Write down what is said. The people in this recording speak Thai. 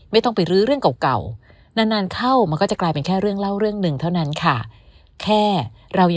ไม่ต้องไปรื้อเรื่องเก่า